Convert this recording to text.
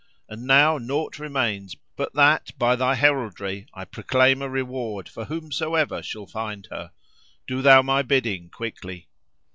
And now naught remains but that, by thy heraldry, I proclaim a reward for whomsoever shall find her. Do thou my bidding quickly."